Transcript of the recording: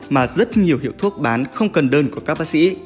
mà rất nhiều hiệu thuốc bán không cần đơn của các bác sĩ